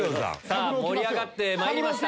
盛り上がってまいりました。